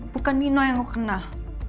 bukan mino yang aku kenal